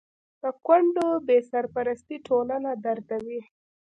د کونډو بې سرپرستي ټولنه دردوي.